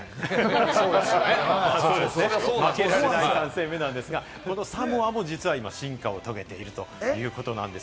負けられない３戦目なんですが、サモアも実は進化を遂げているということなんです。